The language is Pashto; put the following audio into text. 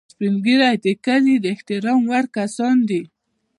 سپین ږیری د کلي د احترام وړ کسان دي